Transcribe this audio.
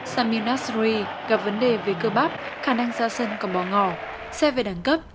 samir nasri gặp vấn đề về cơ bắp khả năng ra sân còn bỏ ngỏ xe về đẳng cấp